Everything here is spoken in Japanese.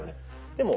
でも。